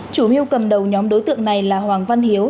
chủ mưu cầm đầu nhóm đối tượng này là hoàng văn hiếu